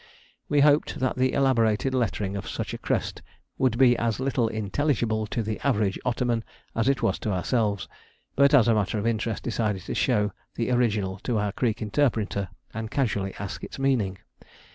We hoped that the elaborated lettering of such a crest would be as little intelligible to the average Ottoman as it was to ourselves, but as a matter of interest decided to show the original to our Greek interpreter and casually ask its meaning.